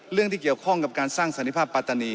เรื่องที่เกี่ยวข้องกับการสร้างสันติภาพปัตตานี